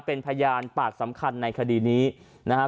เป็นพยานปากสำคัญในคดีนี้นะครับ